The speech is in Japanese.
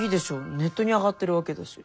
ネットに上がってるわけだし。